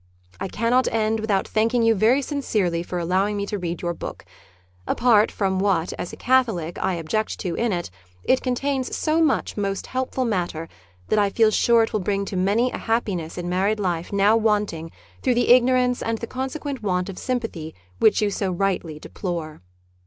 I cannot end without thanking you very sincerely for allowing me to read your book. Apart from what, as a Catholic, I object to in it, it contains so much most helpful matter that I feel sure it will bring to many a happiness in married life now wanting through the ignorance and the consequent want of sympathy which you so rightly deplore.